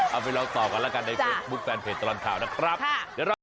เอาไปลองต่อกันแล้วกันในเฟซบุ๊คแฟนเพจตลอดข่าวนะครับ